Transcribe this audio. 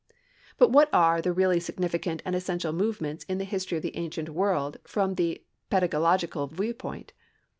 But what are the really significant and essential movements in the history of the ancient world from the pedagogical viewpoint?